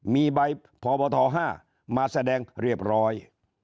มีใบพบท๕มาแสดงเรียบร้อย